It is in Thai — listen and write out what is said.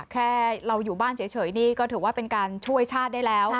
แค่เราอยู่บ้านเฉยนี่ก็ถือว่าเป็นการช่วยชาติได้แล้ว